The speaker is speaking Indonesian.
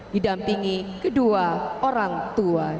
didampingi kedua orang tua